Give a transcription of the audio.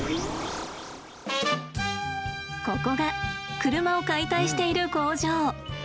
ここが車を解体している工場。